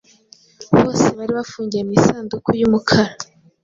Bose bari bafungiye mu isanduku y'umukara.